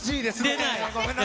出ない。